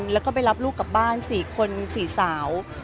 แล้วก็ไปรับลูกกลับบ้าน๔คน๔สาว